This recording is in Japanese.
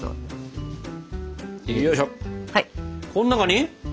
こん中に？